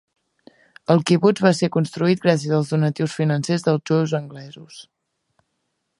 El quibuts va ser construït gràcies als donatius financers dels jueus anglesos.